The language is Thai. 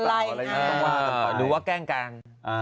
เออดูว่าแกล้งกัน